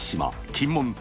金門島